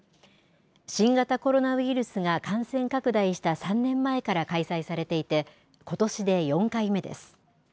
新型コロナウイルスが感染拡大した３年前から開催されていて、ことしで４回目です。